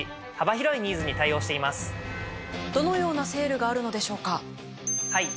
どのようなセールがあるのでしょうか？